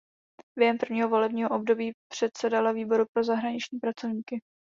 Během prvního volebního období předsedala Výboru pro zahraniční pracovníky.